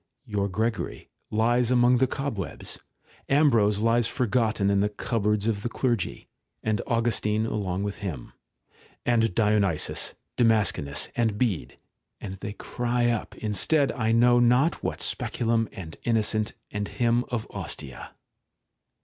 Your Gregory lies among the cobwebs. ; Ambrose lies forgofen in tneimpboards of the clergy, and Augustine along with him ; and Dionysius, ITamascenus, and Bede ; and they cry up instead I know not what Speculum, and Innocent, and him of Ostia.